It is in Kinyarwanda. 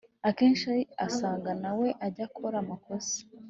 akenshi asanga na we ajya akora amakosa